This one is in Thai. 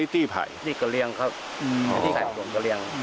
ที่กะเรียงครับที่ไข่ของกะเรียง